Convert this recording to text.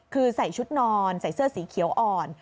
คือใส่ชุดนอนใส่เสื้อสีเขียวอ่อน